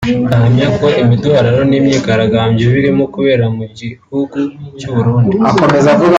ahamya ko imiduhararo n’imyigaragambyo birimo kubera mu gihugu cy’u Burundi